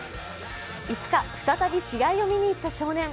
５日、再び試合を見にいった少年。